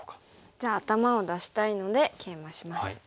じゃあ頭を出したいのでケイマします。